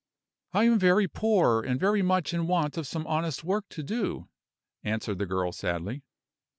"I am very poor, and very much in want of some honest work to do," answered the girl, sadly.